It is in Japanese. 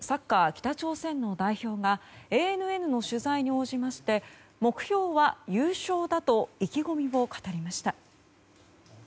北朝鮮の代表がＡＮＮの取材に応じまして目標は優勝だと意気込みを語りました。